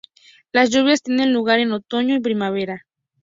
Las lluvias tienen lugar en otoño y primavera.